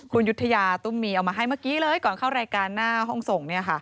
คุณยุธยาตุ้มมีเอามาให้เมื่อกี้เลยก่อนเข้ารายการหน้าห้องส่ง